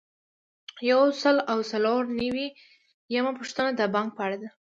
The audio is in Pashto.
یو سل او څلور نوي یمه پوښتنه د بانک په اړه ده.